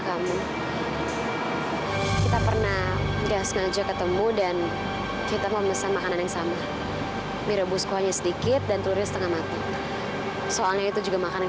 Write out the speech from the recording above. sampai jumpa di video selanjutnya